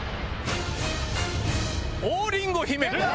「王りんご姫」！